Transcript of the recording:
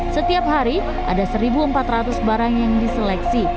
setiap hari ada satu empat ratus barang yang diseleksi